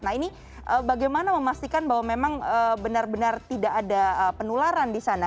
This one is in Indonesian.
nah ini bagaimana memastikan bahwa memang benar benar tidak ada penularan di sana